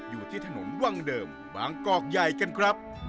อยู่ที่ถนนวังเดิมบางกอกใหญ่กันครับ